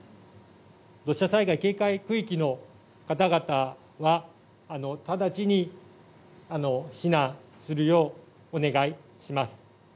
土砂災害警戒区域の方々は、直ちに避難するようお願いします。